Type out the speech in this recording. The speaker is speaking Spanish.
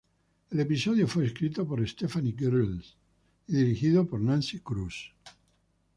El episodio fue escrito por Stephanie Gillis y dirigido por Nancy Kruse.